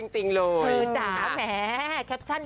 แซ่บฟะ